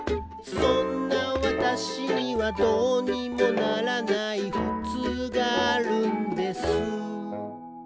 「そんな私には、どうにもならないふつうがあるんです」